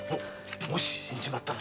もし死んじまったら。